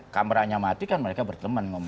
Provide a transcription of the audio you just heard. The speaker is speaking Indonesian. kameranya mati kan mereka berteman